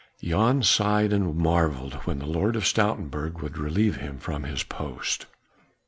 Jan sighed and marvelled when the Lord of Stoutenburg would relieve him from his post.